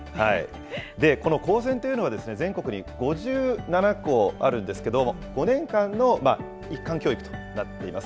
この高専というのは、全国に５７校あるんですけれども、５年間の一貫教育となっています。